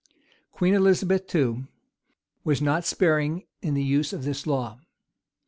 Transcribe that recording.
[] Queen Elizabeth too was not sparing in the use of this law.